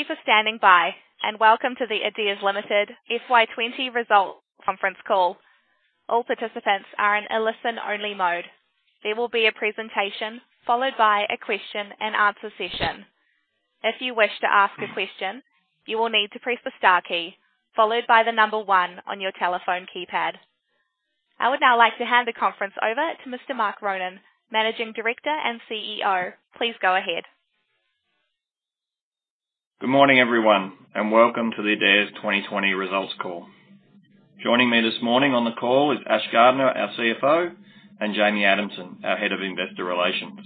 Thank you for standing by. Welcome to the Adairs Limited FY 2020 result conference call. All participants are in a listen-only mode. There will be a presentation followed by a question and answer session. If you wish to ask a question, you will need to press the star key followed by the number one on your telephone keypad. I would now like to hand the conference over to Mr. Mark Ronan, Managing Director and CEO. Please go ahead. Good morning, everyone, and welcome to the Adairs 2020 results call. Joining me this morning on the call is Ashley Gardner, our CFO, and Jamie Adamson, our Head of Investor Relations.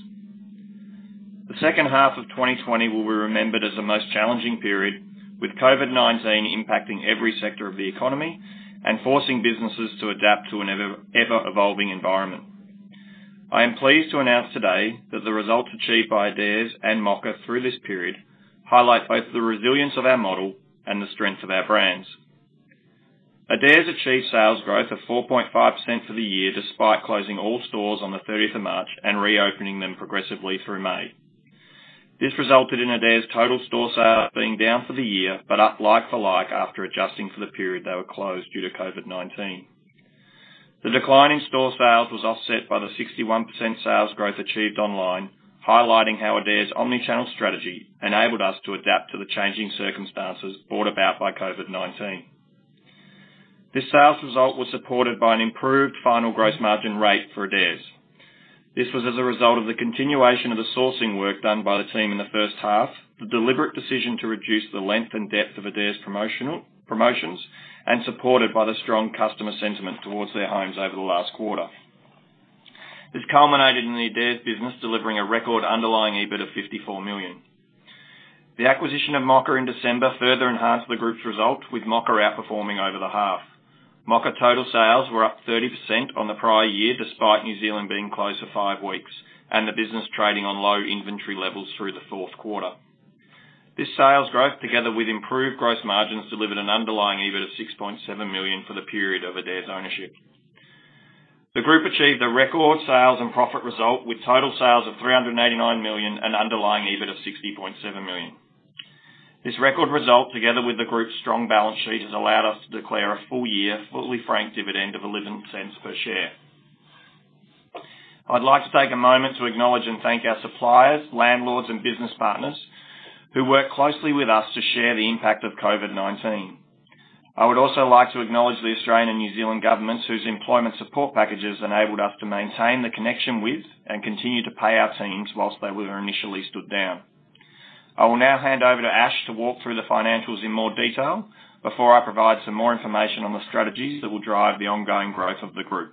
The second half of 2020 will be remembered as the most challenging period, with COVID-19 impacting every sector of the economy and forcing businesses to adapt to an ever-evolving environment. I am pleased to announce today that the results achieved by Adairs and Mocka through this period highlight both the resilience of our model and the strength of our brands. Adairs achieved sales growth of 4.5% for the year, despite closing all stores on the 30th of March and reopening them progressively through May. This resulted in Adairs' total store sales being down for the year, but up like-for-like after adjusting for the period they were closed due to COVID-19. The decline in store sales was offset by the 61% sales growth achieved online, highlighting how Adairs' omni-channel strategy enabled us to adapt to the changing circumstances brought about by COVID-19. This sales result was supported by an improved final gross margin rate for Adairs. This was as a result of the continuation of the sourcing work done by the team in the first half, the deliberate decision to reduce the length and depth of Adairs' promotions, and supported by the strong customer sentiment towards their homes over the last quarter. This culminated in the Adairs business delivering a record underlying EBIT of 54 million. The acquisition of Mocka in December further enhanced the group's result, with Mocka outperforming over the half. Mocka total sales were up 30% on the prior year, despite New Zealand being closed for five weeks and the business trading on low inventory levels through the fourth quarter. This sales growth, together with improved gross margins, delivered an underlying EBIT of 6.7 million for the period of Adairs' ownership. The group achieved a record sales and profit result, with total sales of 389 million and underlying EBIT of 60.7 million. This record result, together with the group's strong balance sheet, has allowed us to declare a full year, fully franked dividend of 0.11 per share. I'd like to take a moment to acknowledge and thank our suppliers, landlords, and business partners who work closely with us to share the impact of COVID-19. I would also like to acknowledge the Australian and New Zealand governments, whose employment support packages enabled us to maintain the connection with and continue to pay our teams while they were initially stood down. I will now hand over to Ash to walk through the financials in more detail before I provide some more information on the strategies that will drive the ongoing growth of the group.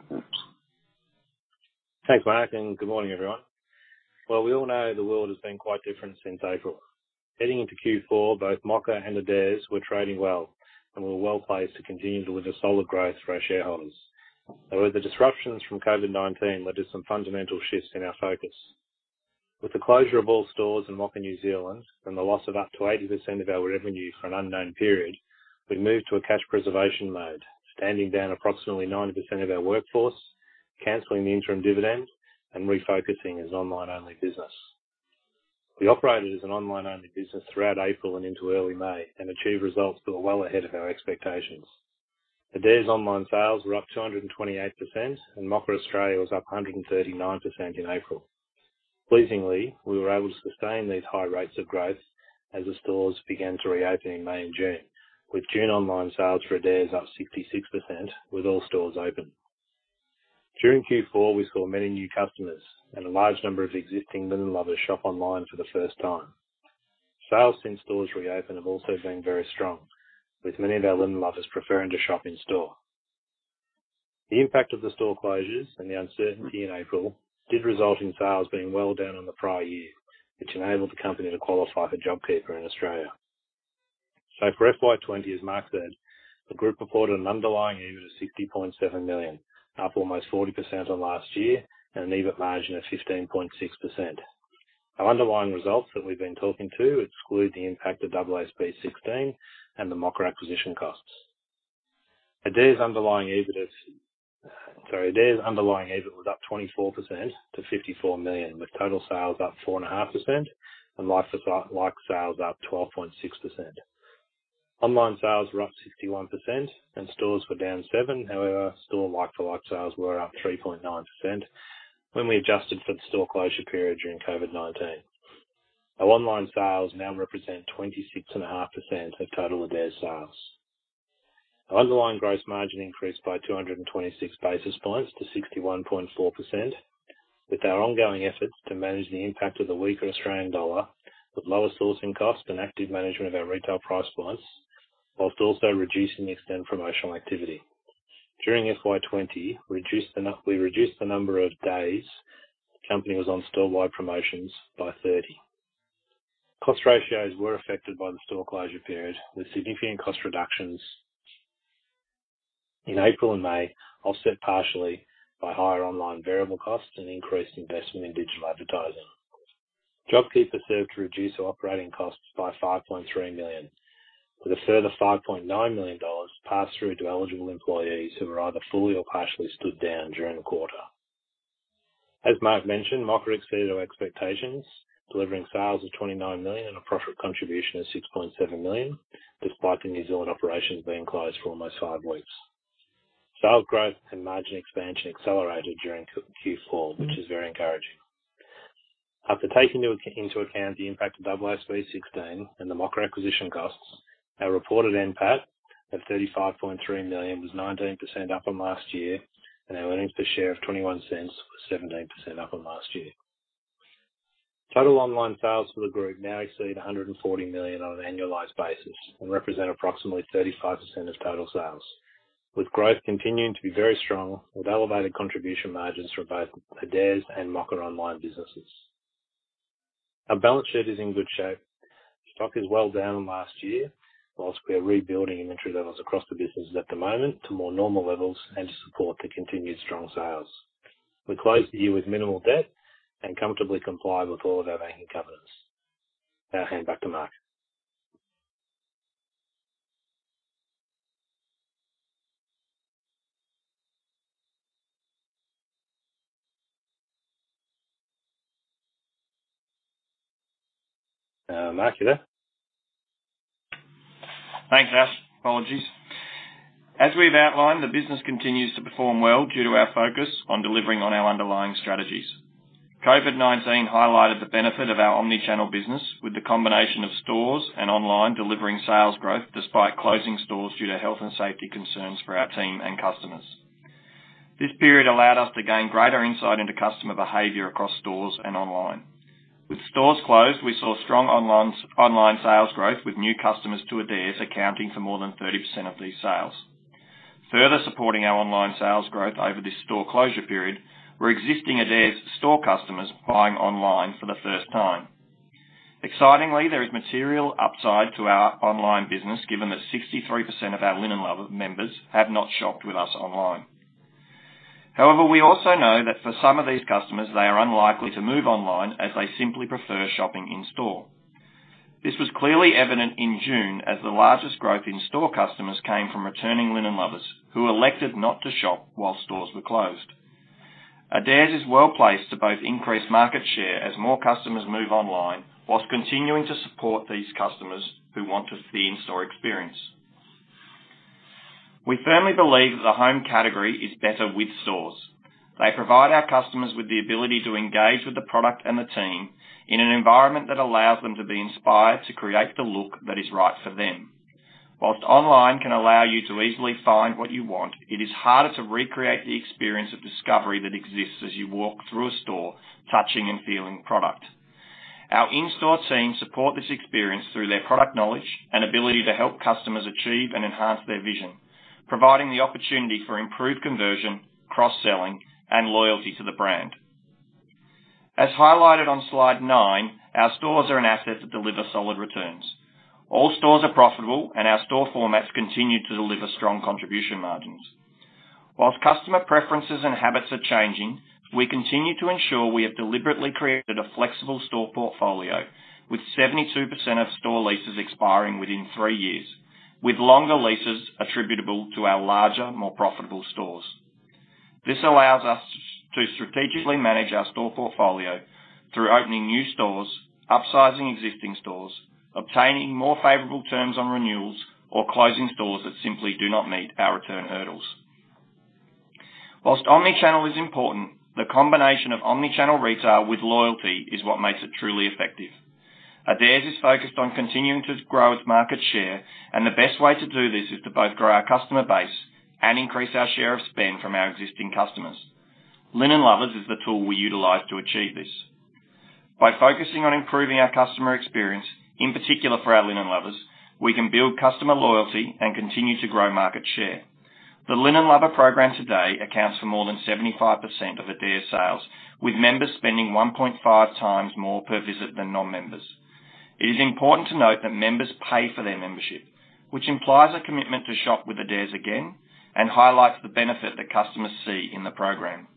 Thanks, Mark. Good morning, everyone. Well, we all know the world has been quite different since April. Heading into Q4, both Mocka and Adairs were trading well and were well-placed to continue to deliver solid growth for our shareholders. However, the disruptions from COVID-19 led to some fundamental shifts in our focus. With the closure of all stores in Mocka New Zealand and the loss of up to 80% of our revenue for an unknown period, we moved to a cash preservation mode, standing down approximately 90% of our workforce, canceling the interim dividend, and refocusing as online-only business. We operated as an online-only business throughout April and into early May and achieved results that were well ahead of our expectations. Adairs' online sales were up 228%, and Mocka Australia was up 139% in April. Pleasingly, we were able to sustain these high rates of growth as the stores began to reopen in May and June, with June online sales for Adairs up 66% with all stores open. During Q4, we saw many new customers and a large number of existing Linen Lovers shop online for the first time. Sales since stores reopened have also been very strong, with many of our Linen Lovers preferring to shop in-store. The impact of the store closures and the uncertainty in April did result in sales being well down on the prior year, which enabled the company to qualify for JobKeeper in Australia. For FY 2020, as Mark said, the group reported an underlying EBIT of 60.7 million, up almost 40% on last year, and an EBIT margin of 15.6%. Our underlying results that we've been talking to exclude the impact of AASB 16 and the Mocka acquisition costs. Adairs' underlying EBIT was up 24% to 54 million, with total sales up 4.5% and like-for-like sales up 12.6%. Online sales were up 61% and stores were down seven. However, store like-for-like sales were up 3.9% when we adjusted for the store closure period during COVID-19. Our online sales now represent 26.5% of total Adairs sales. Our underlying gross margin increased by 226 basis points to 61.4%, with our ongoing efforts to manage the impact of the weaker Australian dollar with lower sourcing costs and active management of our retail price points whilst also reducing the extent of promotional activity. During FY 2020, we reduced the number of days the company was on store wide promotions by 30. Cost ratios were affected by the store closure period, with significant cost reductions in April and May offset partially by higher online variable costs and increased investment in digital advertising. JobKeeper served to reduce our operating costs by 5.3 million, with a further 5.9 million dollars passed through to eligible employees who were either fully or partially stood down during the quarter. As Mark mentioned, Mocka exceeded our expectations, delivering sales of 29 million and a profit contribution of 6.7 million, despite the New Zealand operations being closed for almost five weeks. Sales growth and margin expansion accelerated during Q4, which is very encouraging. After taking into account the impact of AASB 16 and the Mocka acquisition costs, our reported NPAT of 35.3 million was 19% up from last year, and our earnings per share of 0.21 was 17% up from last year. Total online sales for the group now exceed 140 million on an annualized basis and represent approximately 35% of total sales, with growth continuing to be very strong, with elevated contribution margins from both Adairs and Mocka online businesses. Our balance sheet is in good shape. Stock is well down on last year, whilst we are rebuilding inventory levels across the businesses at the moment to more normal levels and to support the continued strong sales. We closed the year with minimal debt and comfortably comply with all of our banking covenants. Now back to Mark. Mark, are you there? Thanks, Ash. Apologies. As we've outlined, the business continues to perform well due to our focus on delivering on our underlying strategies. COVID-19 highlighted the benefit of our omni-channel business with the combination of stores and online delivering sales growth despite closing stores due to health and safety concerns for our team and customers. This period allowed us to gain greater insight into customer behavior across stores and online. With stores closed, we saw strong online sales growth with new customers to Adairs accounting for more than 30% of these sales. Further supporting our online sales growth over this store closure period were existing Adairs store customers buying online for the first time. Excitingly, there is material upside to our online business, given that 63% of our Linen Lovers members have not shopped with us online. However, we also know that for some of these customers, they are unlikely to move online as they simply prefer shopping in-store. This was clearly evident in June as the largest growth in store customers came from returning Linen Lovers who elected not to shop while stores were closed. Adairs is well-placed to both increase market share as more customers move online while continuing to support these customers who want the in-store experience. We firmly believe that the home category is better with stores. They provide our customers with the ability to engage with the product and the team in an environment that allows them to be inspired to create the look that is right for them. While online can allow you to easily find what you want, it is harder to recreate the experience of discovery that exists as you walk through a store, touching and feeling product. Our in-store team support this experience through their product knowledge and ability to help customers achieve and enhance their vision, providing the opportunity for improved conversion, cross-selling, and loyalty to the brand. As highlighted on slide nine, our stores are an asset that deliver solid returns. All stores are profitable, and our store formats continue to deliver strong contribution margins. Whilst customer preferences and habits are changing, we continue to ensure we have deliberately created a flexible store portfolio, with 72% of store leases expiring within three years, with longer leases attributable to our larger, more profitable stores. This allows us to strategically manage our store portfolio through opening new stores, upsizing existing stores, obtaining more favorable terms on renewals, or closing stores that simply do not meet our return hurdles. Whilst omni-channel is important, the combination of omni-channel retail with loyalty is what makes it truly effective. Adairs is focused on continuing to grow its market share, and the best way to do this is to both grow our customer base and increase our share of spend from our existing customers. Linen Lovers is the tool we utilize to achieve this. By focusing on improving our customer experience, in particular for our Linen Lovers, we can build customer loyalty and continue to grow market share. The Linen Lovers program today accounts for more than 75% of Adairs sales, with members spending 1.5x more per visit than non-members. It is important to note that members pay for their membership, which implies a commitment to shop with Adairs again and highlights the benefit that customers see in the program.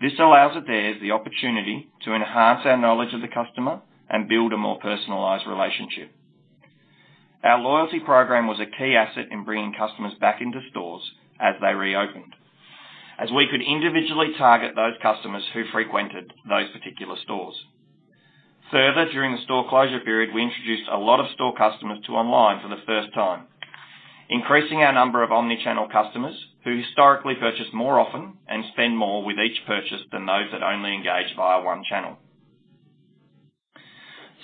This allows Adairs the opportunity to enhance our knowledge of the customer and build a more personalized relationship. Our loyalty program was a key asset in bringing customers back into stores as they reopened, as we could individually target those customers who frequented those particular stores. Further, during the store closure period, we introduced a lot of store customers to online for the first time, increasing our number of omni-channel customers who historically purchase more often and spend more with each purchase than those that only engage via one channel.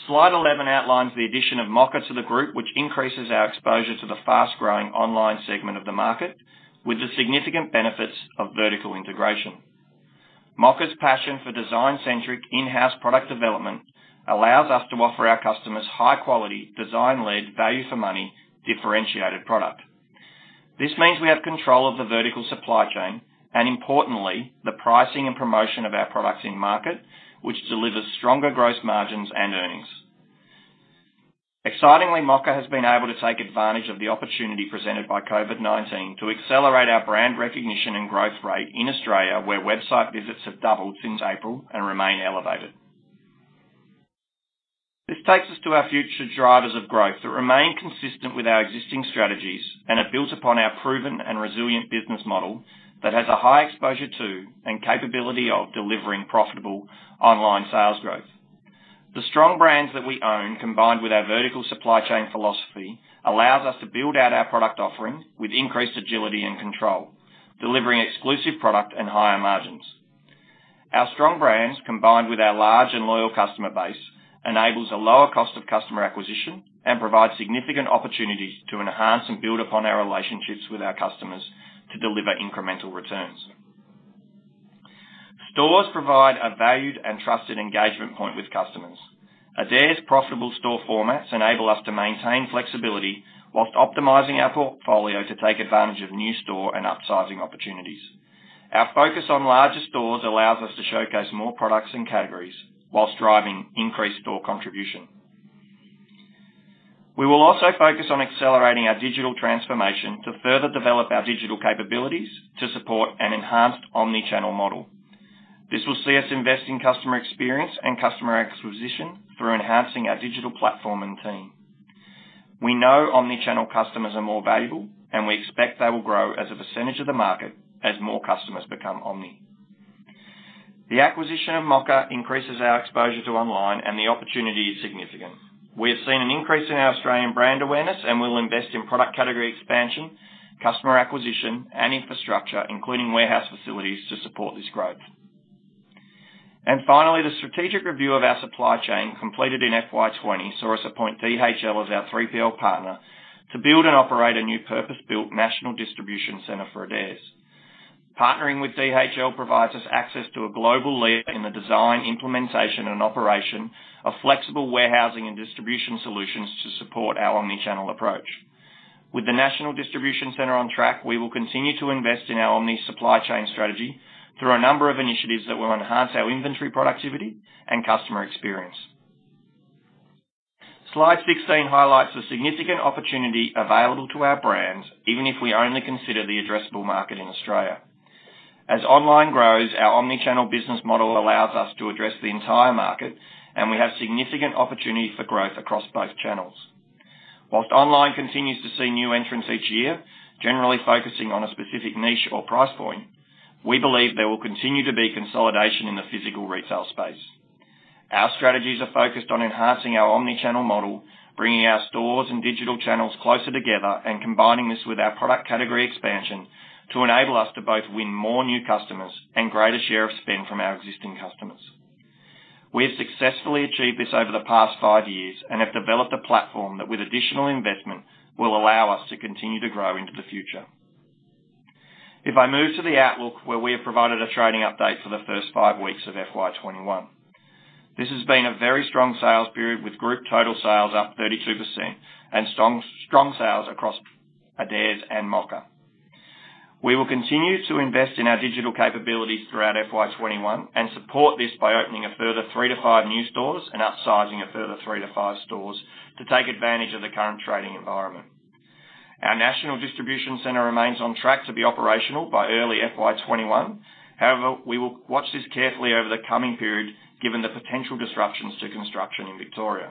Slide 11 outlines the addition of Mocka to the group, which increases our exposure to the fast-growing online segment of the market with the significant benefits of vertical integration. Mocka's passion for design-centric in-house product development allows us to offer our customers high-quality, design-led, value-for-money differentiated product. This means we have control of the vertical supply chain, and importantly, the pricing and promotion of our products in-market, which delivers stronger gross margins and earnings. Excitingly, Mocka has been able to take advantage of the opportunity presented by COVID-19 to accelerate our brand recognition and growth rate in Australia, where website visits have doubled since April and remain elevated. This takes us to our future drivers of growth that remain consistent with our existing strategies and are built upon our proven and resilient business model that has a high exposure to and capability of delivering profitable online sales growth. The strong brands that we own, combined with our vertical supply chain philosophy, allows us to build out our product offering with increased agility and control, delivering exclusive product and higher margins. Our strong brands, combined with our large and loyal customer base, enables a lower cost of customer acquisition and provides significant opportunities to enhance and build upon our relationships with our customers to deliver incremental returns. Stores provide a valued and trusted engagement point with customers. Adairs' profitable store formats enable us to maintain flexibility while optimizing our portfolio to take advantage of new store and upsizing opportunities. Our focus on larger stores allows us to showcase more products and categories while driving increased store contribution. We will also focus on accelerating our digital transformation to further develop our digital capabilities to support an enhanced omnichannel model. This will see us invest in customer experience and customer acquisition through enhancing our digital platform and team. We know omnichannel customers are more valuable, and we expect they will grow as a percentage of the market as more customers become omni. The acquisition of Mocka increases our exposure to online, and the opportunity is significant. We have seen an increase in our Australian brand awareness and will invest in product category expansion, customer acquisition, and infrastructure, including warehouse facilities to support this growth. Finally, the strategic review of our supply chain completed in FY 2020 saw us appoint DHL as our 3PL partner to build and operate a new purpose-built national distribution center for Adairs. Partnering with DHL provides us access to a global leader in the design, implementation, and operation of flexible warehousing and distribution solutions to support our omnichannel approach. With the national distribution center on track, we will continue to invest in our omni supply chain strategy through a number of initiatives that will enhance our inventory productivity and customer experience. Slide 16 highlights the significant opportunity available to our brands, even if we only consider the addressable market in Australia. As online grows, our omnichannel business model allows us to address the entire market, and we have significant opportunity for growth across both channels. Whilst online continues to see new entrants each year, generally focusing on a specific niche or price point, we believe there will continue to be consolidation in the physical retail space. Our strategies are focused on enhancing our omnichannel model, bringing our stores and digital channels closer together and combining this with our product category expansion to enable us to both win more new customers and greater share of spend from our existing customers. We have successfully achieved this over the past five years and have developed a platform that with additional investment will allow us to continue to grow into the future. If I move to the outlook where we have provided a trading update for the first five weeks of FY 2021. This has been a very strong sales period with group total sales up 32% and strong sales across Adairs and Mocka. We will continue to invest in our digital capabilities throughout FY 2021 and support this by opening a further three to five new stores and upsizing a further three to five stores to take advantage of the current trading environment. Our national distribution center remains on track to be operational by early FY 2021. However, we will watch this carefully over the coming period given the potential disruptions to construction in Victoria.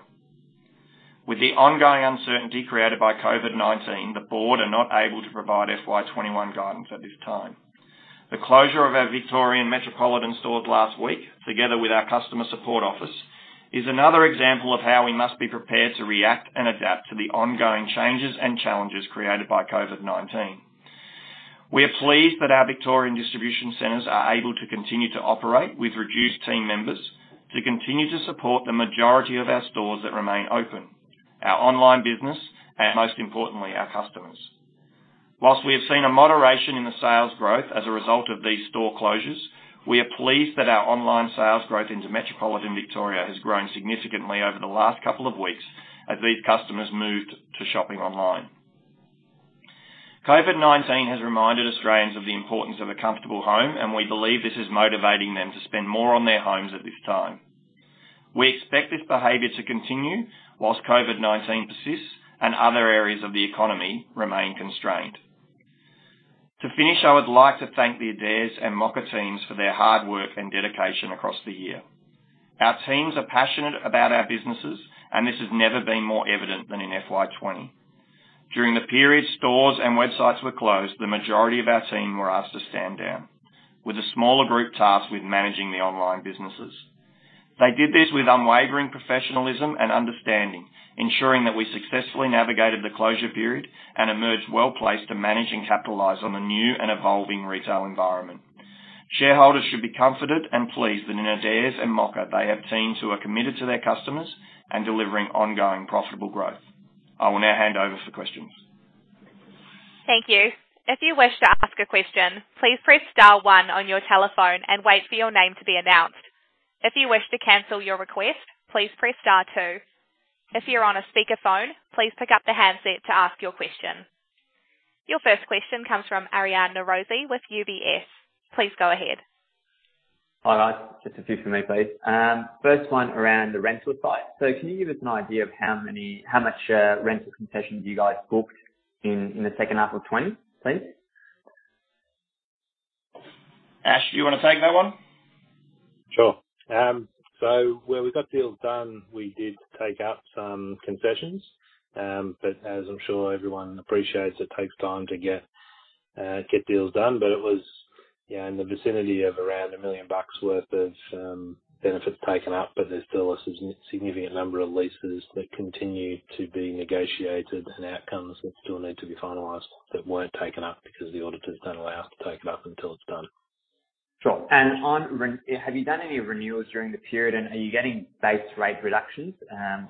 With the ongoing uncertainty created by COVID-19, the board are not able to provide FY 2021 guidance at this time. The closure of our Victorian metropolitan stores last week, together with our customer support office, is another example of how we must be prepared to react and adapt to the ongoing changes and challenges created by COVID-19. We are pleased that our Victorian distribution centers are able to continue to operate with reduced team members to continue to support the majority of our stores that remain open, our online business, and most importantly, our customers. Whilst we have seen a moderation in the sales growth as a result of these store closures, we are pleased that our online sales growth into metropolitan Victoria has grown significantly over the last couple of weeks as these customers moved to shopping online. COVID-19 has reminded Australians of the importance of a comfortable home, and we believe this is motivating them to spend more on their homes at this time. We expect this behavior to continue whilst COVID-19 persists and other areas of the economy remain constrained. To finish, I would like to thank the Adairs and Mocka teams for their hard work and dedication across the year. Our teams are passionate about our businesses, and this has never been more evident than in FY 2020. During the period stores and websites were closed, the majority of our team were asked to stand down with a smaller group tasked with managing the online businesses. They did this with unwavering professionalism and understanding, ensuring that we successfully navigated the closure period and emerged well-placed to manage and capitalize on the new and evolving retail environment. Shareholders should be comforted and pleased that in Adairs and Mocka they have teams who are committed to their customers and delivering ongoing profitable growth. I will now hand over for questions. Thank you. If you wish to ask a question, please press star one on your telephone and wait for your name to be announced. If you wish to cancel your request, please press star two. If you're on a speakerphone, please pick up the handset to ask your question. Your first question comes from Alessandro Rossi with UBS. Please go ahead. Hi, guys. Just a few for me, please. First one around the rental site. Can you give us an idea of how much rental concessions you guys booked in the second half of FY 2020, please? Ash, do you want to take that one? Sure. Where we got deals done, we did take up some concessions. As I'm sure everyone appreciates, it takes time to get deals done. It was in the vicinity of around 1 million bucks worth of benefits taken up, but there's still a significant number of leases that continue to be negotiated and outcomes that still need to be finalized that weren't taken up because the auditors don't allow us to take it up until it's done. Sure. Have you done any renewals during the period, and are you getting base rate reductions?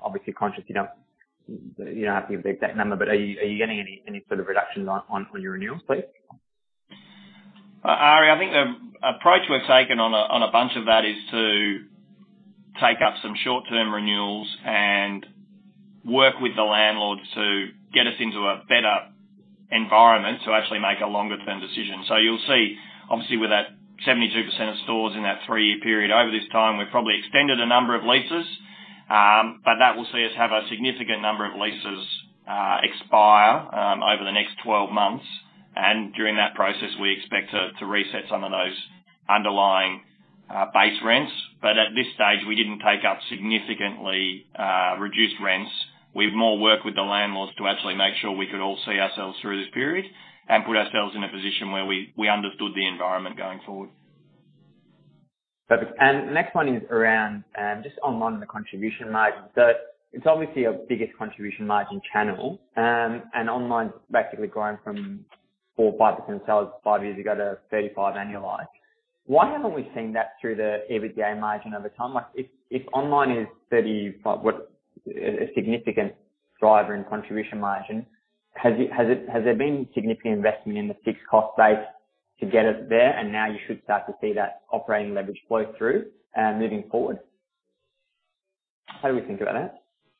Obviously conscious you don't have to give the exact number, but are you getting any sort of reductions on your renewals, please? Ale, I think the approach we've taken on a bunch of that is to take up some short-term renewals and work with the landlord to get us into a better environment to actually make a longer-term decision. You'll see, obviously, with that 72% of stores in that three-year period. Over this time, we've probably extended a number of leases, but that will see us have a significant number of leases expire over the next 12 months. During that process, we expect to reset some of those underlying base rents. At this stage, we didn't take up significantly reduced rents. We've more worked with the landlords to actually make sure we could all see ourselves through this period and put ourselves in a position where we understood the environment going forward. Perfect. Next one is around just online, the contribution margin. It's obviously your biggest contribution margin channel. Online's basically grown from 4%, 5% sales five years ago to 35% annualized. Why haven't we seen that through the EBITDA margin over time? If online is 35%, a significant driver in contribution margin, has there been significant investment in the fixed cost base to get us there, now you should start to see that operating leverage flow through moving forward? How do we think about that?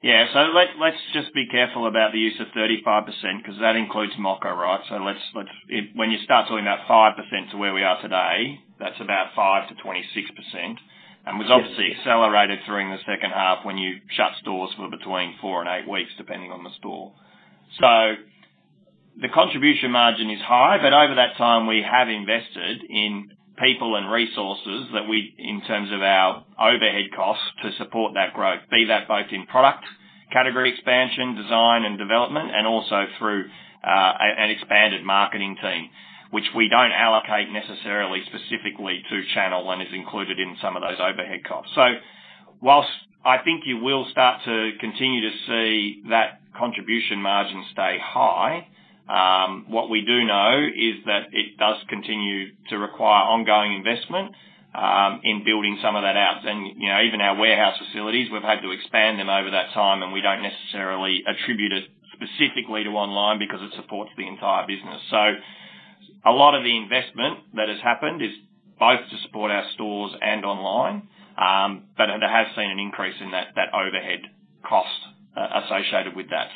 Let's just be careful about the use of 35% because that includes Mocka, right? When you start talking about 5% to where we are today, that's about 5%-26%, and was obviously accelerated during the second half when you shut stores for between four and eight weeks, depending on the store. The contribution margin is high, but over that time, we have invested in people and resources that we, in terms of our overhead costs, to support that growth, be that both in product category expansion, design and development, and also through an expanded marketing team, which we don't allocate necessarily specifically to channel and is included in some of those overhead costs. Whilst I think you will start to continue to see that contribution margin stay high, what we do know is that it does continue to require ongoing investment in building some of that out. Even our warehouse facilities, we've had to expand them over that time, and we don't necessarily attribute it specifically to online because it supports the entire business. A lot of the investment that has happened is both to support our stores and online. There has been an increase in that overhead cost associated with that.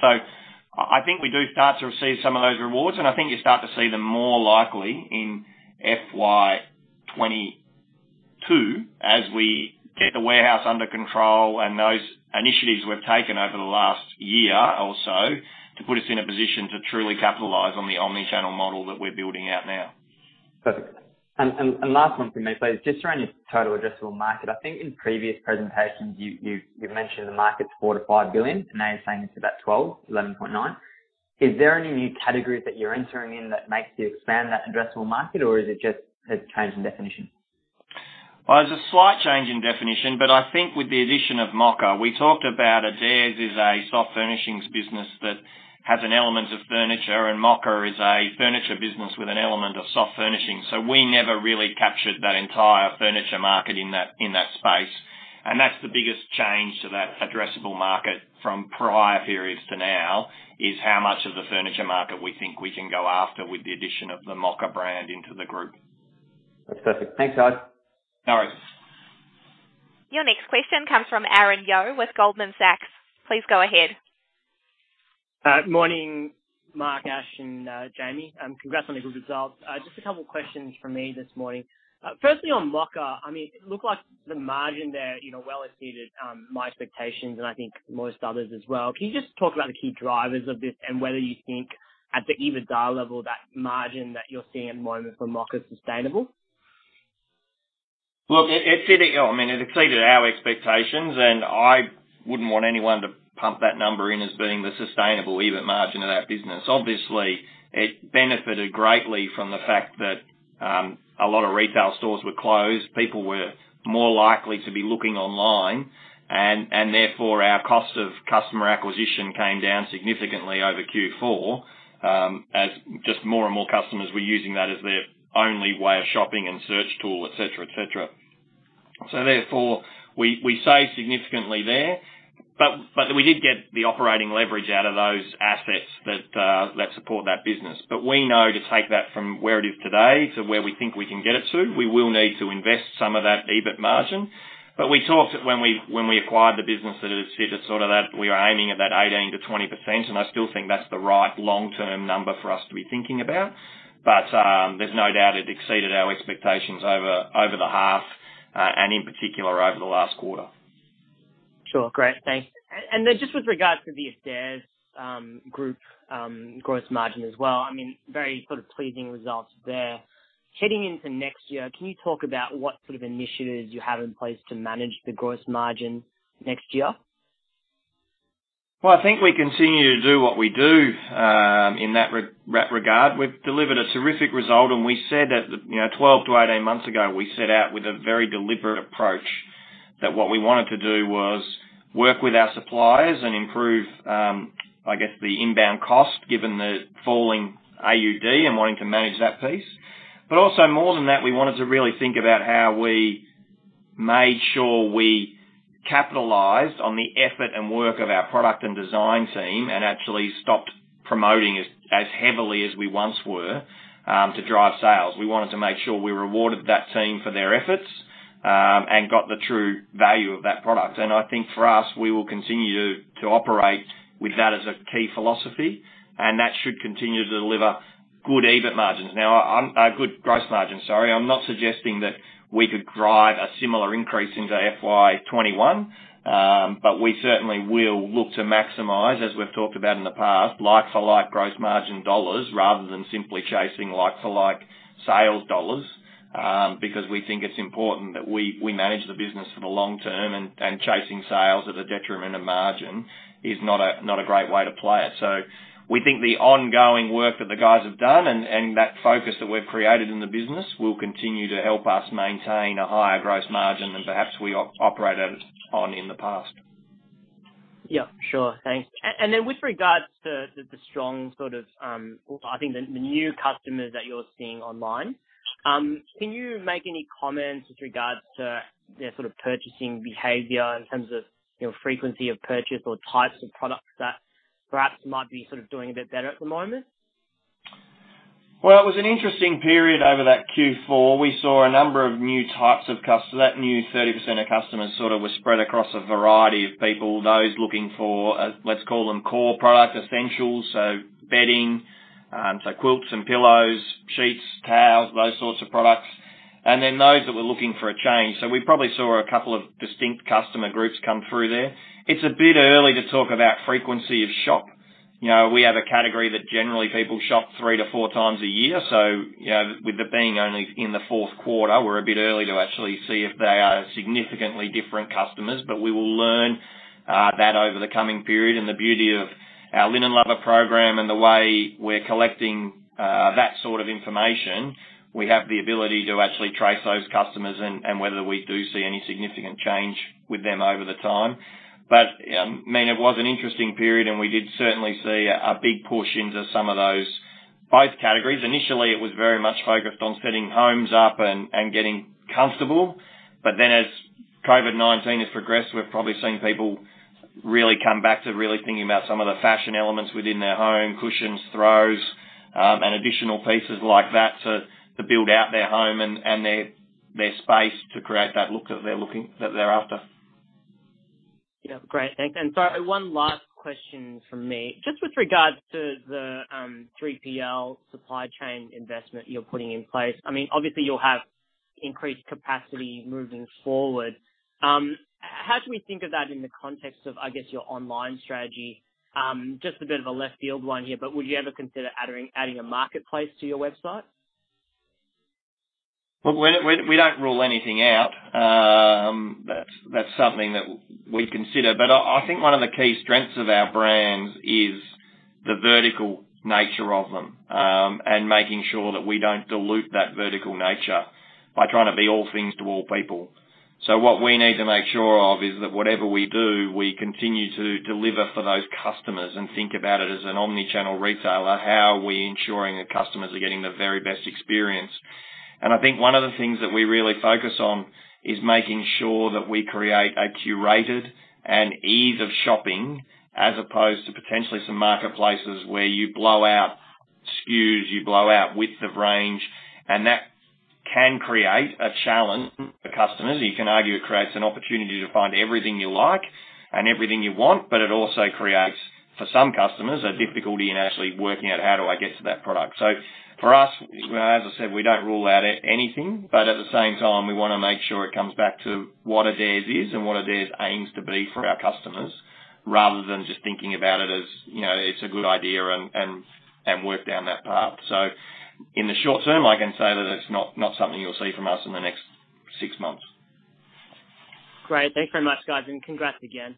I think we do start to receive some of those rewards, and I think you start to see them more likely in FY 2022 as we get the warehouse under control and those initiatives we've taken over the last year or so to put us in a position to truly capitalize on the omni-channel model that we're building out now. Perfect. Last one from me, please. Just around your total addressable market. I think in previous presentations, you've mentioned the market's 4 billion-5 billion, and now you're saying it's about 12 billion, 11.9 billion. Is there any new categories that you're entering in that makes you expand that addressable market, or is it just a change in definition? Well, there's a slight change in definition, but I think with the addition of Mocka, we talked about Adairs is a soft furnishings business that has an element of furniture, and Mocka is a furniture business with an element of soft furnishings. We never really captured that entire furniture market in that space. That's the biggest change to that addressable market from prior periods to now is how much of the furniture market we think we can go after with the addition of the Mocka brand into the group. That's perfect. Thanks, guys. No worries. Your next question comes from Aaron Yeoh with Goldman Sachs. Please go ahead. Morning, Mark, Ash, and Jamie. Congrats on the good results. Just a couple questions from me this morning. Firstly, on Mocka, it looked like the margin there well exceeded my expectations and I think most others as well. Can you just talk about the key drivers of this and whether you think at the EBITDA level, that margin that you're seeing at the moment for Mocka is sustainable? Well, it exceeded our expectations, and I wouldn't want anyone to pump that number in as being the sustainable EBIT margin of that business. Obviously, it benefited greatly from the fact that a lot of retail stores were closed. People were more likely to be looking online, and therefore, our cost of customer acquisition came down significantly over Q4 as just more and more customers were using that as their only way of shopping and search tool, et cetera. Therefore, we saved significantly there. We did get the operating leverage out of those assets that support that business. We know to take that from where it is today to where we think we can get it to, we will need to invest some of that EBIT margin. We talked when we acquired the business that it fit a sort of that we were aiming at that 18%-20%, and I still think that's the right long-term number for us to be thinking about. There's no doubt it exceeded our expectations over the half, and in particular, over the last quarter. Sure. Great. Thanks. Just with regards to the Adairs Group gross margin as well, very pleasing results there. Heading into next year, can you talk about what sort of initiatives you have in place to manage the gross margin next year? Well, I think we continue to do what we do in that regard. We've delivered a terrific result, and we said that 12 months-18 months ago, we set out with a very deliberate approach that what we wanted to do was work with our suppliers and improve the inbound cost, given the falling AUD and wanting to manage that piece. But also more than that, we wanted to really think about how we made sure we capitalized on the effort and work of our product and design team, and actually stopped promoting as heavily as we once were, to drive sales. We wanted to make sure we rewarded that team for their efforts, and got the true value of that product. I think for us, we will continue to operate with that as a key philosophy, and that should continue to deliver good EBIT margins. A good gross margin, sorry. I'm not suggesting that we could drive a similar increase into FY 2021. We certainly will look to maximize, as we've talked about in the past, like-for-like gross margin dollars rather than simply chasing like-for-like sales dollars. We think it's important that we manage the business for the long term. Chasing sales at a detriment of margin is not a great way to play it. We think the ongoing work that the guys have done and that focus that we've created in the business will continue to help us maintain a higher gross margin than perhaps we operated on in the past. Yeah. Sure. Thanks. With regards to the new customers that you're seeing online, can you make any comments with regards to their purchasing behavior in terms of frequency of purchase or types of products that perhaps might be doing a bit better at the moment? Well, it was an interesting period over that Q4. We saw a number of new types of customers. That new 30% of customers sort of was spread across a variety of people, those looking for, let's call them core product essentials, so bedding, so quilts and pillows, sheets, towels, those sorts of products. Those that were looking for a change. We probably saw a couple of distinct customer groups come through there. It's a bit early to talk about frequency of shop. We have a category that generally people shop 3x-4x a year, with it being only in the fourth quarter, we're a bit early to actually see if they are significantly different customers. We will learn that over the coming period, and the beauty of our Linen Lovers program and the way we're collecting that sort of information, we have the ability to actually trace those customers and whether we do see any significant change with them over the time. It was an interesting period, and we did certainly see a big push into some of those both categories. Initially, it was very much focused on setting homes up and getting comfortable. Then as COVID-19 has progressed, we've probably seen people really come back to really thinking about some of the fashion elements within their home, cushions, throws, and additional pieces like that to build out their home and their space to create that look that they're after. Yeah. Great. Thanks. Sorry, one last question from me. Just with regards to the 3PL supply chain investment you're putting in place. Obviously you'll have increased capacity moving forward. How do we think of that in the context of, I guess, your online strategy? Just a bit of a left-field one here, would you ever consider adding a marketplace to your website? Well, we don't rule anything out. That's something that we'd consider. I think one of the key strengths of our brands is the vertical nature of them, and making sure that we don't dilute that vertical nature by trying to be all things to all people. What we need to make sure of is that whatever we do, we continue to deliver for those customers and think about it as an omni-channel retailer, how are we ensuring that customers are getting the very best experience. I think one of the things that we really focus on is making sure that we create a curated and ease of shopping as opposed to potentially some marketplaces where you blow out SKUs, you blow out width of range, and that can create a challenge for customers. You can argue it creates an opportunity to find everything you like and everything you want, but it also creates, for some customers, a difficulty in actually working out how do I get to that product. For us, as I said, we don't rule out anything, but at the same time, we want to make sure it comes back to what Adairs is and what Adairs aims to be for our customers, rather than just thinking about it as it's a good idea and work down that path. In the short term, I can say that it's not something you'll see from us in the next six months. Great. Thanks very much, guys, and congrats again.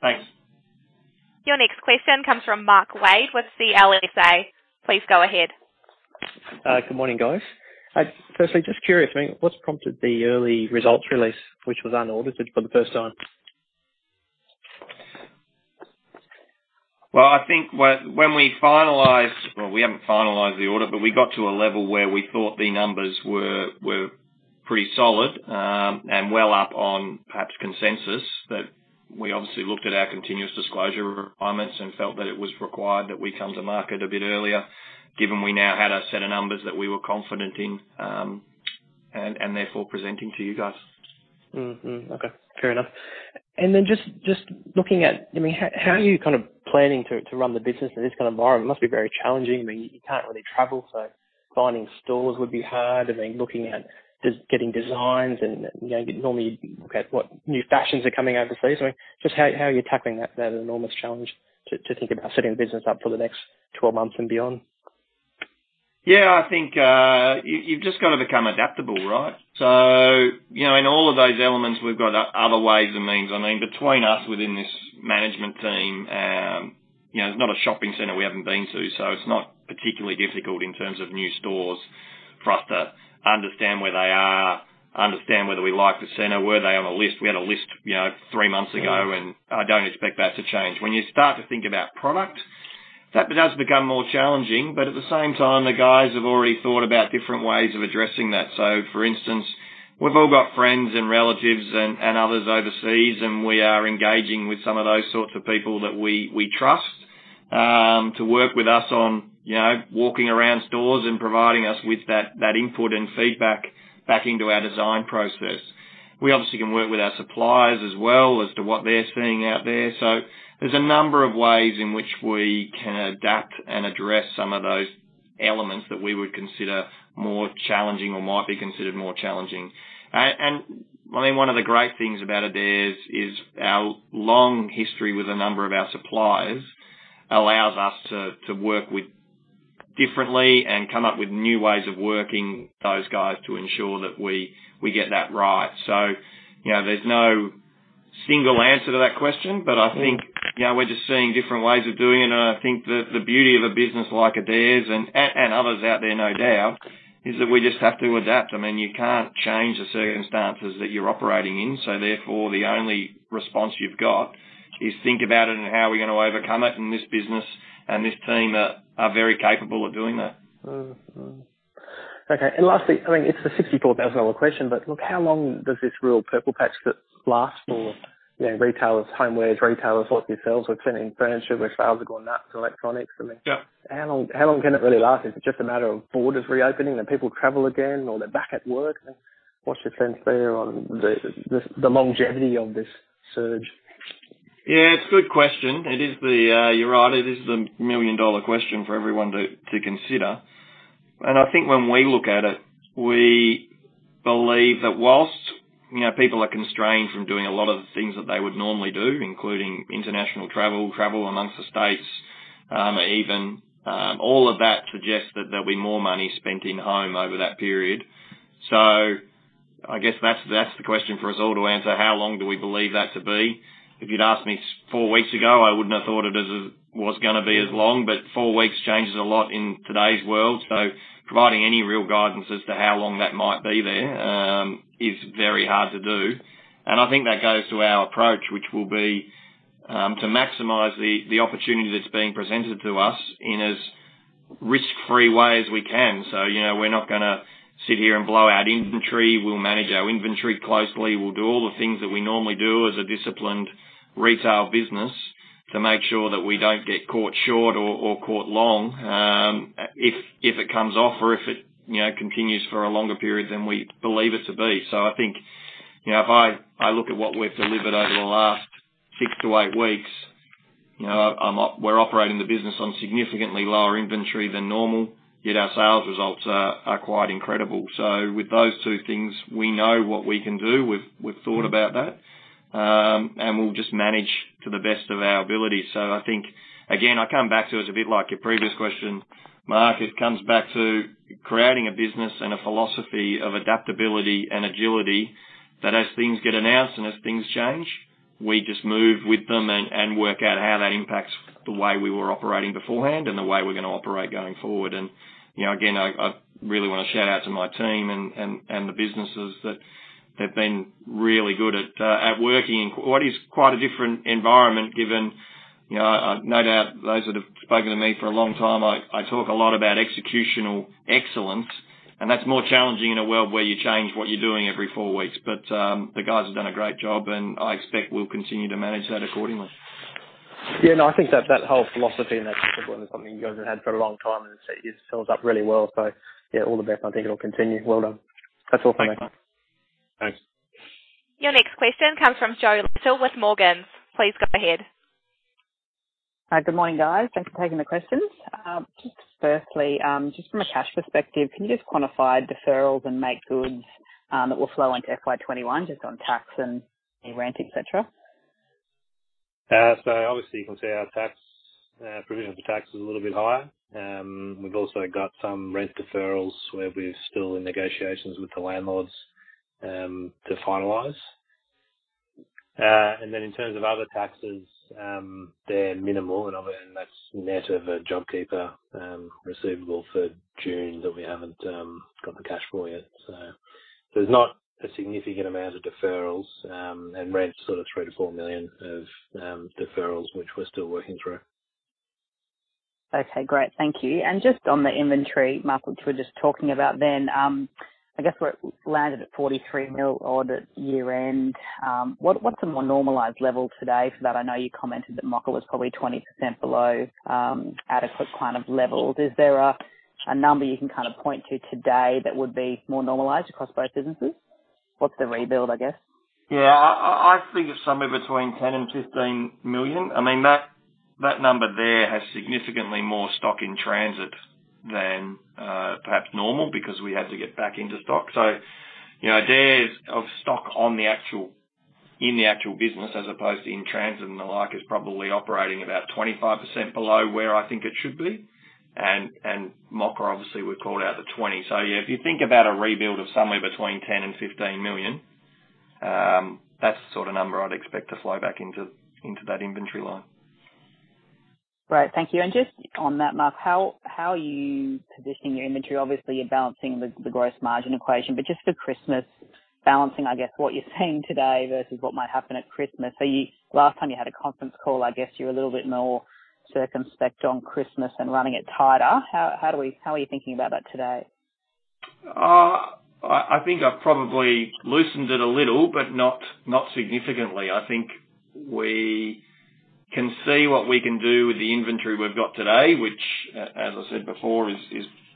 Thanks. Your next question comes from Mark Wade with CLSA. Please go ahead. Good morning, guys. Firstly, just curious, what's prompted the early results release, which was unaudited for the first time? Well, we haven't finalized the audit, but we got to a level where we thought the numbers were pretty solid, and well up on perhaps consensus, that we obviously looked at our continuous disclosure requirements and felt that it was required that we come to market a bit earlier given we now had a set of numbers that we were confident in, and therefore presenting to you guys. Mm-hmm. Okay. Fair enough. Just looking at, how are you planning to run the business in this kind of environment? It must be very challenging. You can't really travel, so finding stores would be hard, and then looking at getting designs and normally you'd look at what new fashions are coming overseas. Just how are you tackling that enormous challenge to think about setting the business up for the next 12 months and beyond? I think you've just got to become adaptable, right? In all of those elements, we've got other ways and means. Between us within this management team, there's not a shopping center we haven't been to, so it's not particularly difficult in terms of new stores for us to understand where they are, understand whether we like the center. Were they on a list? We had a list three months ago, and I don't expect that to change. When you start to think about product, that does become more challenging, but at the same time, the guys have already thought about different ways of addressing that. For instance, we've all got friends and relatives and others overseas, and we are engaging with some of those sorts of people that we trust to work with us on walking around stores and providing us with that input and feedback back into our design process. We obviously can work with our suppliers as well as to what they're seeing out there. There's a number of ways in which we can adapt and address some of those elements that we would consider more challenging or might be considered more challenging. One of the great things about Adairs is our long history with a number of our suppliers allows us to work differently and come up with new ways of working those guys to ensure that we get that right. There's no single answer to that question, but I think we're just seeing different ways of doing it, and I think the beauty of a business like Adairs, and others out there no doubt, is that we just have to adapt. You can't change the circumstances that you're operating in, so therefore, the only response you've got is think about it and how we're going to overcome it, and this business and this team are very capable of doing that. Okay. Lastly, it's the AUD 64,000 question, look, how long does this real purple patch last for retailers, homewares retailers, what you sell, certainly furniture, where sales have gone nuts, electronics. Yeah. How long can it really last? Is it just a matter of borders reopening, and people travel again, or they're back at work? What's your sense there on the longevity of this surge? Yeah, it's a good question. You're right. It is the million-dollar question for everyone to consider. I think when we look at it, we believe that whilst people are constrained from doing a lot of the things that they would normally do, including international travel amongst the states even, all of that suggests that there'll be more money spent in-home over that period. I guess that's the question for us all to answer, how long do we believe that to be? If you'd asked me four weeks ago, I wouldn't have thought it as it was gonna be as long, but four weeks changes a lot in today's world. Providing any real guidance as to how long that might be there is very hard to do. I think that goes to our approach, which will be to maximize the opportunity that's being presented to us in as risk-free way as we can. We're not gonna sit here and blow out inventory. We'll manage our inventory closely. We'll do all the things that we normally do as a disciplined retail business to make sure that we don't get caught short or caught long if it comes off or if it continues for a longer period than we believe it to be. I think, if I look at what we've delivered over the last six to eight weeks, we're operating the business on significantly lower inventory than normal, yet our sales results are quite incredible. With those two things, we know what we can do. We've thought about that. We'll just manage to the best of our ability. I think, again, I come back to it's a bit like your previous question, Mark. It comes back to creating a business and a philosophy of adaptability and agility that as things get announced and as things change, we just move with them and work out how that impacts the way we were operating beforehand and the way we're going to operate going forward. And again, I really want to shout out to my team and the businesses that have been really good at working in what is quite a different environment given, no doubt those that have spoken to me for a long time, I talk a lot about executional excellence, and that's more challenging in a world where you change what you're doing every four weeks. But the guys have done a great job, and I expect we'll continue to manage that accordingly. Yeah. No, I think that whole philosophy and that discipline is something you guys have had for a long time, and it sets you up really well. Yeah, all the best. I think it'll continue. Well done. That's all from me. Thanks, Mark. Thanks. Your next question comes from Jo Little with Morgans. Please go ahead. Good morning, guys. Thanks for taking the questions. Just firstly, just from a cash perspective, can you just quantify deferrals and make goods that will flow into FY 2021 just on tax and any rent, et cetera? Obviously, you can see our tax, our provision for tax is a little bit higher. We've also got some rent deferrals where we're still in negotiations with the landlords to finalize. Then in terms of other taxes, they're minimal, and that's net of a JobKeeper receivable for June that we haven't got the cash for yet. There's not a significant amount of deferrals, and rent's sort of 3 million-4 million of deferrals, which we're still working through. Okay, great. Thank you. Just on the inventory, Mark, which we were just talking about then, I guess where it landed at 43 million odd at year-end. What's a more normalized level today for that? I know you commented that Mocka was probably 20% below adequate kind of levels. Is there a number you can point to today that would be more normalized across both businesses? What's the rebuild, I guess? I think it's somewhere between 10 million and 15 million. That number there has significantly more stock in transit than perhaps normal, because we had to get back into stock. Adairs of stock in the actual business as opposed to in transit and the like, is probably operating about 25% below where I think it should be. Mocka obviously we called out 20 million. If you think about a rebuild of somewhere between 10 million and 15 million, that's the sort of number I'd expect to flow back into that inventory line. Great. Thank you. Just on that, Mark, how are you positioning your inventory? Obviously, you're balancing the gross margin equation, but just for Christmas, balancing, I guess, what you're seeing today versus what might happen at Christmas. Last time you had a conference call, I guess you were a little bit more circumspect on Christmas and running it tighter. How are you thinking about that today? I think I've probably loosened it a little, but not significantly. I think we can see what we can do with the inventory we've got today, which, as I said before, is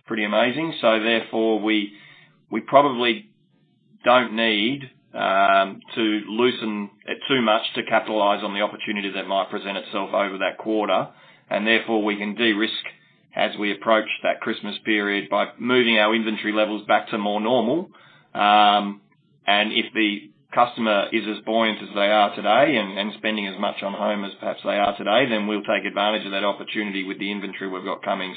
pretty amazing. Therefore, we probably don't need to loosen it too much to capitalize on the opportunity that might present itself over that quarter. Therefore, we can de-risk as we approach that Christmas period by moving our inventory levels back to more normal. If the customer is as buoyant as they are today and spending as much on home as perhaps they are today, then we'll take advantage of that opportunity with the inventory we've got coming.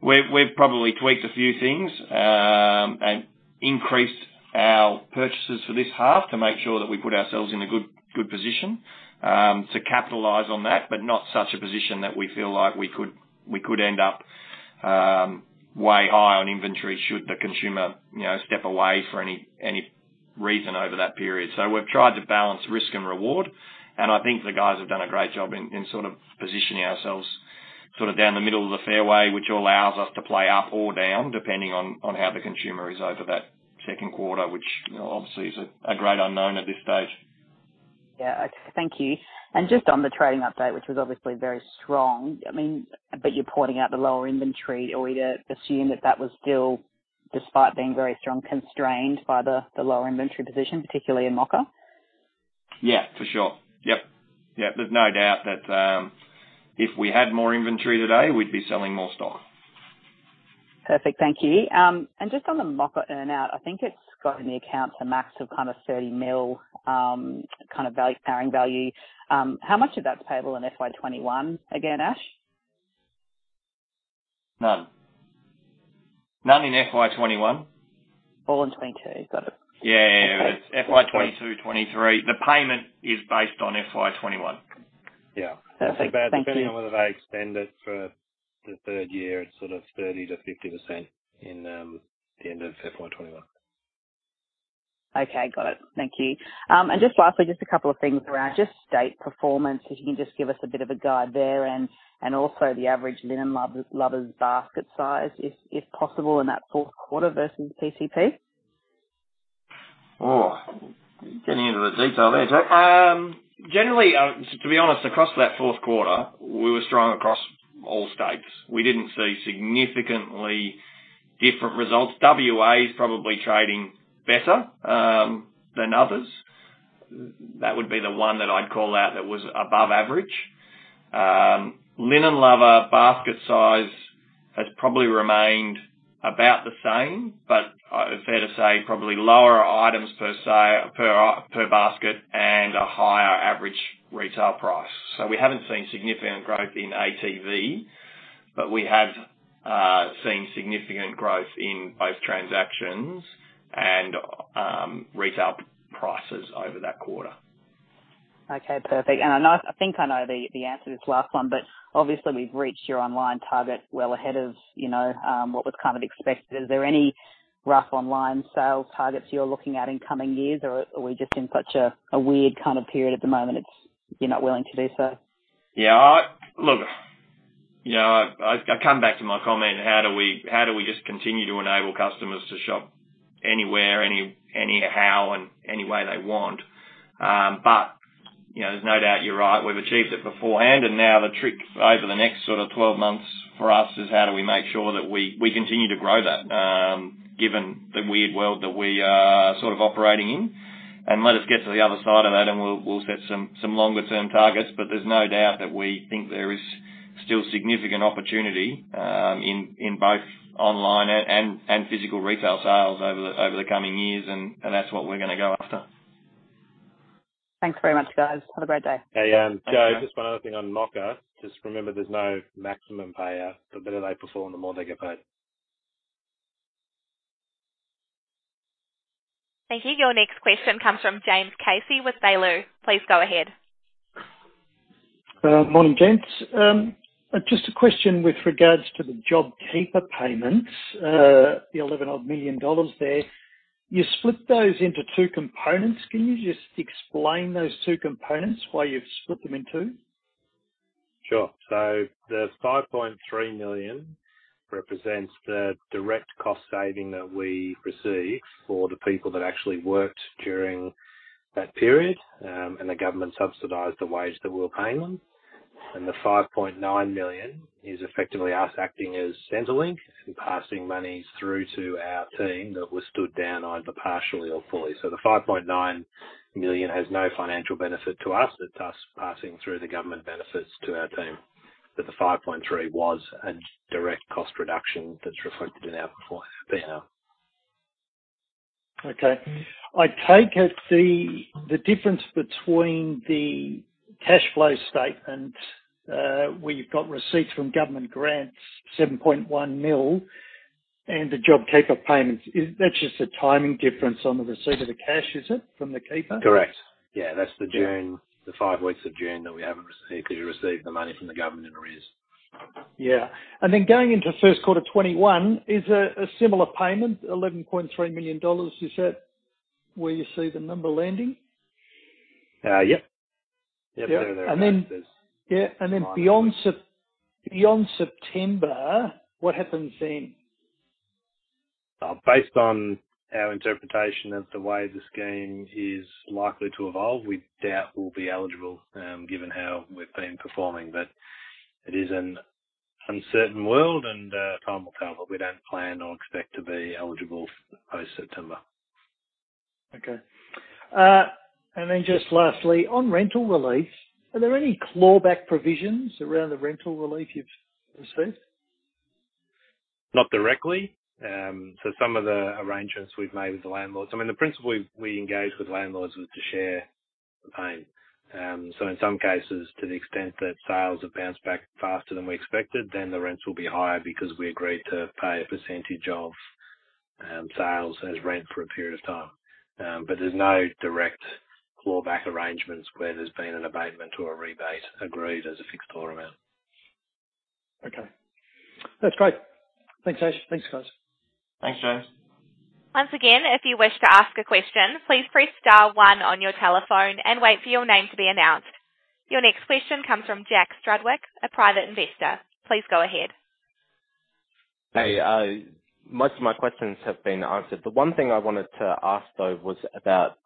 We've probably tweaked a few things, and increased our purchases for this half to make sure that we put ourselves in a good position to capitalize on that, but not such a position that we feel like we could end up way high on inventory should the consumer step away for any reason over that period. We've tried to balance risk and reward, and I think the guys have done a great job in positioning ourselves down the middle of the fairway, which allows us to play up or down, depending on how the consumer is over that second quarter, which obviously is a great unknown at this stage. Yeah. Thank you. Just on the trading update, which was obviously very strong, but you're pointing out the lower inventory. Are we to assume that was still, despite being very strong, constrained by the lower inventory position, particularly in Mocka? Yeah, for sure. Yep. There's no doubt that if we had more inventory today, we'd be selling more stock. Perfect. Thank you. Just on the Mocka earn-out, I think it's got in the accounts a max of 30 million carrying value. How much of that's payable in FY 2021 again, Ash? None. None in FY 2021. All in 2022. Is that it? It's FY 2022, FY 2023. The payment is based on FY 2021. Yeah. Perfect. Thank you. Depending on whether they extend it for the third year, it's sort of 30%-50% in the end of FY 2021. Okay, got it. Thank you. Just lastly, just a couple of things around just state performance, if you can just give us a bit of a guide there, and also the average Linen Lovers basket size, if possible, in that fourth quarter versus PCP. Oh, getting into the detail there. Generally, to be honest, across that fourth quarter, we were strong across all states. We didn't see significantly different results. W.A. is probably trading better than others. That would be the one that I'd call out that was above average. Linen Lovers basket size has probably remained about the same, but fair to say probably lower items per basket and a higher average retail price. We haven't seen significant growth in ATV, but we have seen significant growth in both transactions and retail prices over that quarter. Okay, perfect. I think I know the answer to this last one, but obviously, we've reached your online target well ahead of what was expected. Is there any rough online sales targets you're looking at in coming years, or are we just in such a weird period at the moment, you're not willing to do so? Yeah. Look, I come back to my comment, how do we just continue to enable customers to shop anywhere, any how, and any way they want? There's no doubt you're right. We've achieved it beforehand, and now the trick over the next 12 months for us is how do we make sure that we continue to grow that, given the weird world that we are operating in. Let us get to the other side of that and we'll set some longer-term targets. There's no doubt that we think there is still significant opportunity in both online and physical retail sales over the coming years, and that's what we're going to go after. Thanks very much, guys. Have a great day. Hey, Jo, just one other thing on Mocka. Just remember, there's no maximum payout. The better they perform, the more they get paid. Thank you. Your next question comes from James Casey with Baillieu. Please go ahead. Morning, gents. Just a question with regards to the JobKeeper payments, the 11 odd million there. You split those into two components. Can you just explain those two components, why you've split them in two? Sure. The 5.3 million represents the direct cost saving that we receive for the people that actually worked during that period, and the government subsidized the wage that we were paying them. The 5.9 million is effectively us acting as Centrelink and passing money through to our team that was stood down either partially or fully. The 5.9 million has no financial benefit to us. It's us passing through the government benefits to our team. The 5.3 was a direct cost reduction that's reflected in our P&L. Okay. I take it the difference between the cash flow statement, where you've got receipts from government grants, 7.1 million, and the JobKeeper payments, that's just a timing difference on the receipt of the cash, is it, from the Keeper? Correct. Yeah. That's the June, the five weeks of June that we haven't received, as you receive the money from the government in arrears. Yeah. Then going into first quarter 2021 is a similar payment, AUD 11.3 million. Is that where you see the number landing? Yep. Yeah. Beyond September, what happens then? Based on our interpretation of the way the scheme is likely to evolve, we doubt we'll be eligible, given how we've been performing. It is an uncertain world, and time will tell, but we don't plan or expect to be eligible post-September. Okay. Just lastly, on rental relief, are there any clawback provisions around the rental relief you've received? Not directly. Some of the arrangements we've made with the landlords. The principle we engaged with landlords was to share the pain. In some cases, to the extent that sales have bounced back faster than we expected, then the rents will be higher because we agreed to pay a percentage of sales as rent for a period of time. There's no direct clawback arrangements where there's been an abatement or a rebate agreed as a fixed dollar amount. Okay. That's great. Thanks, Ash. Thanks, guys. Thanks, James. Once again, if you wish to ask a question, please press star one on your telephone and wait your name to be announced. Your next question comes from Jack Strudwick, a private investor. Please go ahead. Hey. Most of my questions have been answered. The one thing I wanted to ask, though, was about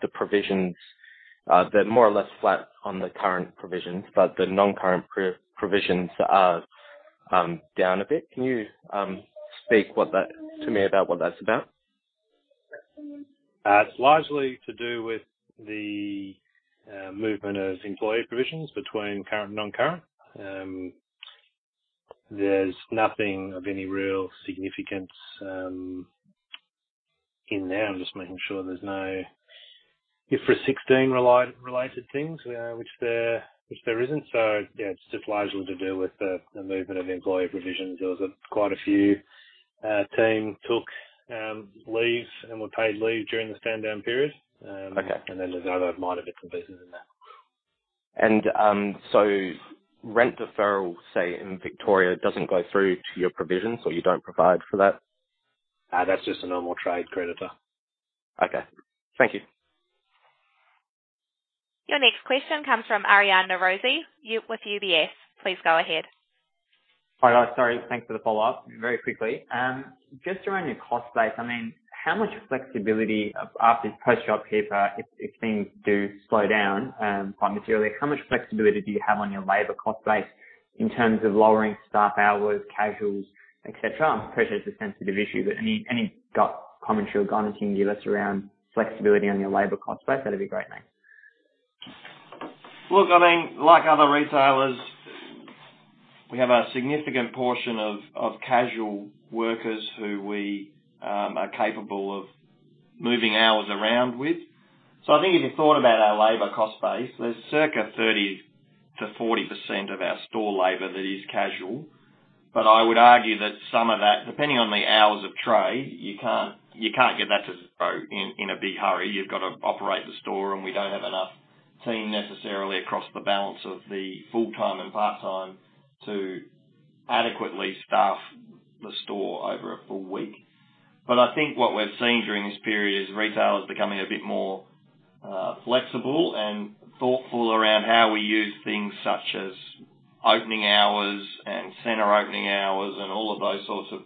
the provisions. They're more or less flat on the current provisions, but the non-current provisions are down a bit. Can you speak to me about what that's about? It's largely to do with the movement of employee provisions between current and non-current. There's nothing of any real significance in there. I'm just making sure there's no IFRS 16 related things, which there isn't. Yeah, it's just largely to do with the movement of employee provisions. There was quite a few team took leaves and were paid leave during the stand-down period. Okay. Then there's other minor bits and pieces in that. Rent deferral, say in Victoria, doesn't go through to your provisions, or you don't provide for that? That's just a normal trade creditor. Okay. Thank you. Your next question comes from Alessandro Rossi with UBS. Please go ahead. Hi, guys. Sorry. Thanks for the follow-up. Very quickly, just around your cost base, how much flexibility post JobKeeper, if things do slow down quite materially, how much flexibility do you have on your labor cost base in terms of lowering staff hours, casuals, et cetera? I appreciate it's a sensitive issue, but any gut commentary or guidance you can give us around flexibility on your labor cost base, that'd be great, thanks. Look, like other retailers, we have a significant portion of casual workers who we are capable of moving hours around with. I think if you thought about our labor cost base, there's circa 30%-40% of our store labor that is casual. I would argue that some of that, depending on the hours of trade, you can't get that to zero in a big hurry. You've got to operate the store, and we don't have enough team necessarily across the balance of the full-time and part-time to adequately staff the store over a full week. I think what we've seen during this period is retailers becoming a bit more flexible and thoughtful around how we use things such as opening hours and center opening hours and all of those sorts of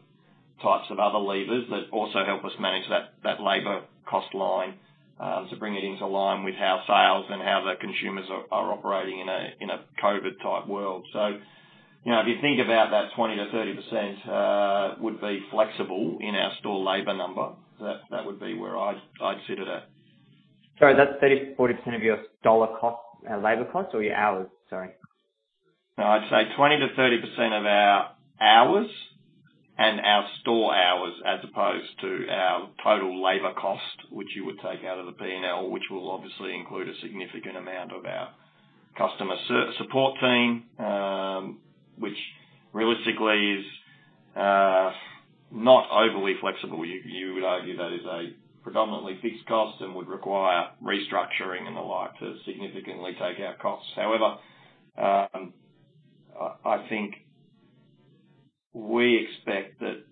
types of other levers that also help us manage that labor cost line to bring it into line with how sales and how the consumers are operating in a COVID-19 type world. If you think about that 20%-30% would be flexible in our store labor number. That would be where I'd sit at that. Sorry, that's 30%-40% of your dollar cost, labor cost or your hours? Sorry. No, I'd say 20%-30% of our hours and our store hours as opposed to our total labor cost, which you would take out of the P&L, which will obviously include a significant amount of our customer support team, which realistically is not overly flexible. You would argue that is a predominantly fixed cost and would require restructuring and the like to significantly take our costs. However, I think we expect that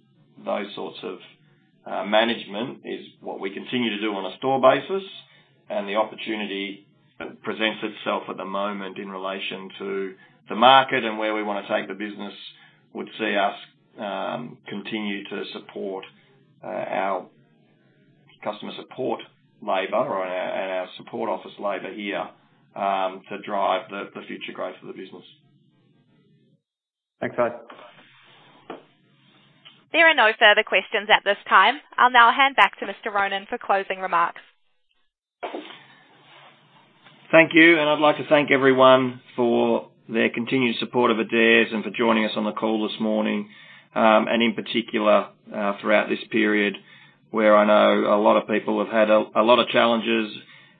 those sorts of management is what we continue to do on a store basis, and the opportunity presents itself at the moment in relation to the market and where we want to take the business would see us continue to support our customer support labor and our support office labor here to drive the future growth of the business. Thanks, Ash. There are no further questions at this time. I will now hand back to Mr. Ronan for closing remarks. Thank you. I'd like to thank everyone for their continued support of Adairs and for joining us on the call this morning, and in particular, throughout this period where I know a lot of people have had a lot of challenges.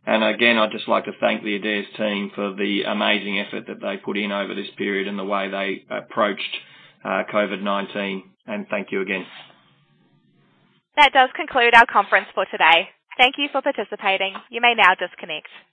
Again, I'd just like to thank the Adairs team for the amazing effort that they put in over this period and the way they approached COVID-19. Thank you again. That does conclude our conference for today. Thank you for participating. You may now disconnect.